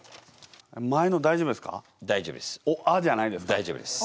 大丈夫です。